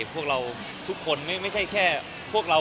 พวกเราทุกคนไม่ใช่แค่พวกเรา